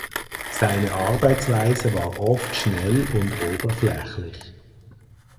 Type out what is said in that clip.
Seine Arbeitsweise war oft schnell und oberflächlich.